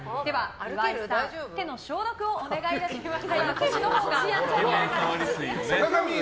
岩井さん手の消毒をお願いします。